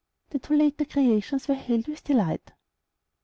The two latter creations were hailed with delight.